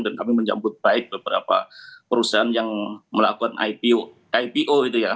dan kami menjemput baik beberapa perusahaan yang melakukan ipo itu ya